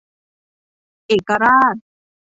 เอกราช